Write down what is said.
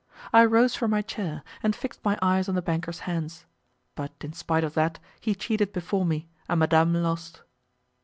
I rose from my chair, and fixed my eyes on the banker's hands. But in spite of that, he cheated before me, and Madame lost.